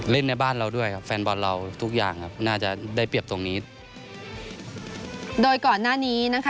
แล้วก็อีกอย่างนึง